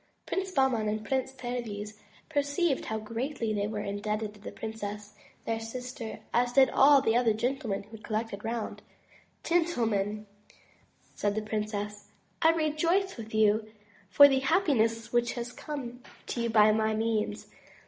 Prince Bahman and Prince Perviz perceived how greatly they were indebted to the Princess, their sister, as did all the other gentlemen who had collected round. "Gentlemen," said the princess, "I rejoice with you for the happiness which has come to you by my means.